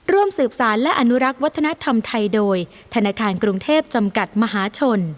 ร่วมสืบสารและอนุรักษ์วัฒนธรรมไทยโดยธนาคารกรุงเทพจำกัดมหาชน